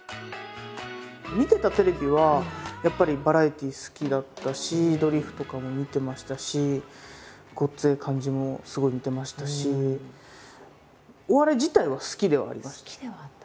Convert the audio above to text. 見てたテレビはやっぱりバラエティー好きだったし「ドリフ」とかも見てましたし「ごっつええ感じ」もすごい見てましたしお笑い自体は好きではありました。